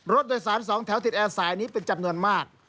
รถโดยสาร๒แถวติดแอร์สายนี้เป็นจำนวนมาก